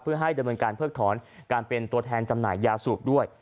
เพื่อให้ดำเนินการเพิกถอนการเป็นตัวแทนจำหน่ายยาสูบด้วย